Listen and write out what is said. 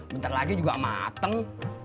bentar lagi juga mateng